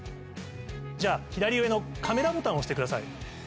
じゃあ左上のカメラボタンを押してください。